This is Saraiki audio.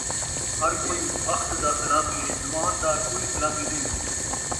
ہر کئی بخت دا سلامی ہے ، جوان دا کئی سلامی نئیں